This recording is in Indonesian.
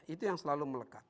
itu yang selalu melekat